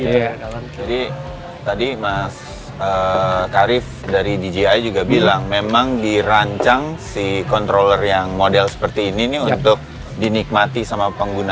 tadi mas karif dari dji juga bilang memang dirancang si controller yang model seperti ini nih untuk dinikmati sama pengguna